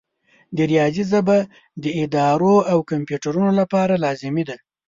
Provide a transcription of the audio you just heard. د ریاضي ژبه د ادارو او کمپیوټرونو لپاره لازمي ده.